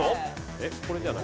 えっこれじゃない？